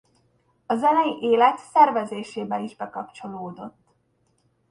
A zenei élet szervezésébe is bekapcsolódott.